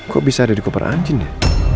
kok bisa ada di kopernya anjin ya